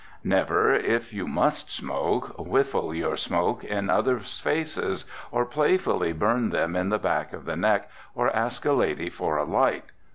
Never, if you must smoke, whiffle your smoke in others' faces, or playfully burn them in the back of the neck, or ask a lady for a light.